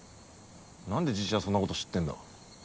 何でじいちゃんそんなこと知ってんだ？